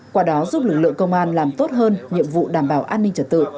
qua đó giúp lực lượng công an làm tốt hơn nhiệm vụ đảm bảo an ninh trật tự